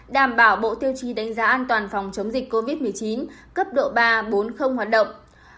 đảm bảo bộ tiêu chí đánh giá an toàn phòng chống dịch covid một mươi chín cấp độ ba bốn hoạt động